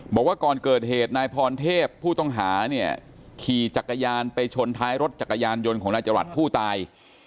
บอกว่าก่อนเกิดเหตุนายพรเทพผู้ต้องหาเนี่ยขี่จักรยานไปชนท้ายรถจักรยานยนต์ของนายจรัสผู้ตาย